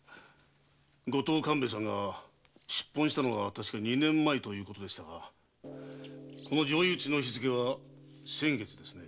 五島勘兵衛さんが出奔したのは二年前とのことですがこの上意討ちの日付は先月ですね。